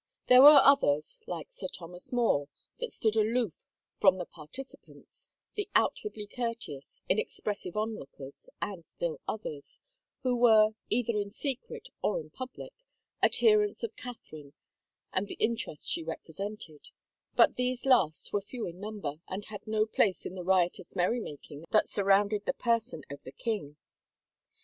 There were others, like Sir Thomas More, that stood aloof from the partici pants, the outwardly courteous, inexpressive onlookers, and still others, who were, either in secret or in public, adherents of Catherine and the interests she represented, but these last were few in number and had no place in 177 THE FAVOR OF KINQS the riotous merrymaking that surrounded the person of the king.